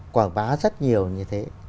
quảng bá rất nhiều như thế